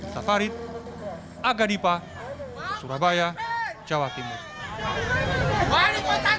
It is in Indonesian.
safarid aga dipa surabaya jawa timur